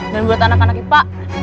dan buat anak anak ipa